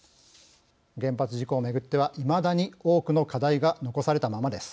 原発事故を巡ってはいまだに多くの課題が残されたままです。